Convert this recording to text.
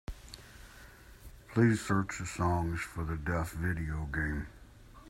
Please search the Songs for the Deaf video game.